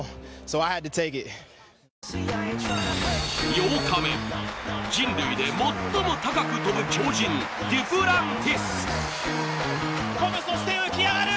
８日目、人類で最も高く跳ぶ鳥人デュプランティス。